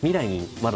まだ。